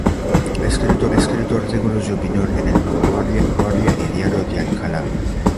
Ha escrito artículos de opinión en El Mundo, La Vanguardia y Diario de Alcalá.